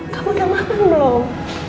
kamu udah makan belum